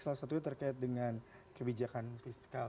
salah satunya terkait dengan kebijakan fiskal